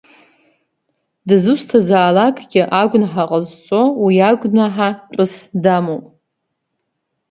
Дызусҭзаалакгьы агәнаҳа ҟазҵо уи агәнаҳа тәыс дамоуп.